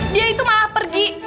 dia itu malah pergi